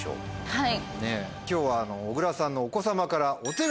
はい。